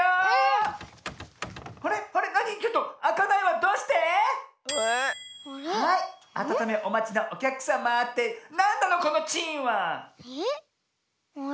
どうして⁉はいあたためおまちのおきゃくさまってなんなのこのチーンは⁉えっ。